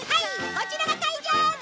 こちらが会場です！